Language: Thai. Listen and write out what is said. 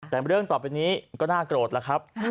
แต่เรื่องต่อไปนี้ก็น่าโกรธแล้วครับ